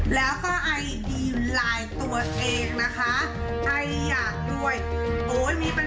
มาค่ะแค่เพราะว่าขายได้ขายไม่ได้